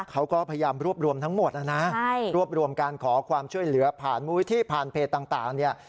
เขาก็พยายามรวบรวมทั้งหมดนะนะรวบรวมการขอความช่วยเหลือผ่านมูลวิธีผ่านเพจต่างเนี่ย